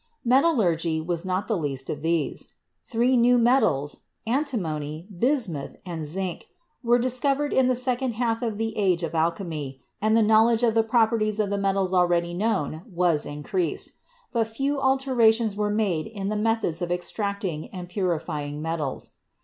Metallurgy was not the least of these. Three new metals — antimony, bismuth and zinc — were discovered in the second half of the Age of Alchemy and the knowledge of the properties of the metals already known was in creased; but few alterations were made in the methods of extracting and purifying the metals.